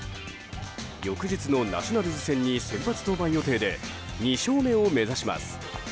翌日のナショナルズ戦に先発登板予定で２勝目を目指します。